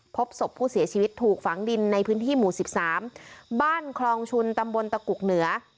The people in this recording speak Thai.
พบศพผู้เสียชีวิตถูกฝังดินในพื้นที่หมู่๑๓บ้านคลองชุนตำบลตะกุกเหนือ